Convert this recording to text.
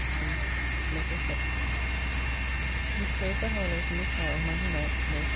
] LETTER VII MISS CLARISSA HARLOWE, TO MISS HOWE MONDAY NIGHT, MAY 1.